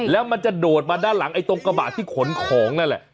แล้วมันจะโดดมาด้านหลังไอ้ตรงกระบะที่ขนของนั่นแหละ